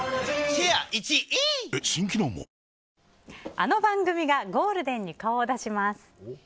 あの番組がゴールデンに顔を出します。